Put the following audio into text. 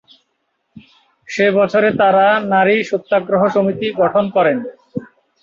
সে বছরে তারা 'নারী সত্যাগ্রহ সমিতি' গঠন করেন।